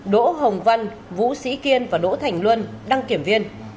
đỗ hồng văn vũ sĩ kiên và đỗ thành luân đăng kiểm viên